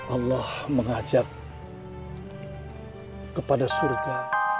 allah mengajak kepada surga